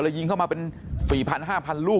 แล้วยิงเข้ามาเป็น๔๐๐๐๕๐๐๐ลูก